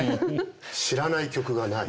知らない曲がない。